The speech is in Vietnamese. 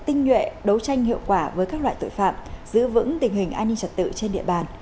tinh nhuệ đấu tranh hiệu quả với các loại tội phạm giữ vững tình hình an ninh trật tự trên địa bàn